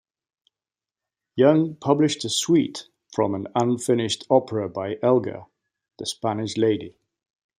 Young published a suite from an unfinished opera by Elgar, "The Spanish Lady".